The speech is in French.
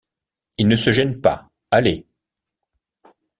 Ils ne se gênent pas, allez.